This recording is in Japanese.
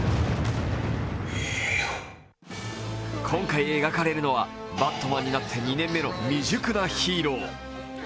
今回描かれるのはバットマンになって２年目の未熟なヒーロー。